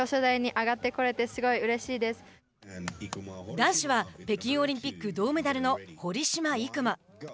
男子は、北京オリンピック銅メダルの堀島行真。